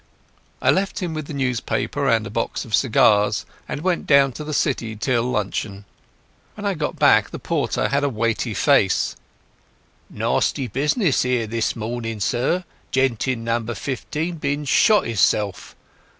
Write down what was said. I left him with the newspaper and a box of cigars, and went down to the City till luncheon. When I got back the liftman had an important face. "Nawsty business 'ere this morning, sir. Gent in No. 15 been and shot 'isself.